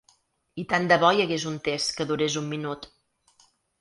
I tant de bo hi hagués un test que durés un minut.